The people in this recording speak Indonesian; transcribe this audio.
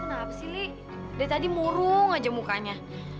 kenapa sih li dari tadi murung aja mukanya